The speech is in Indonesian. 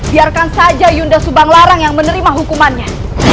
biarkan saja yunda subanglarang yang menerima hukumannya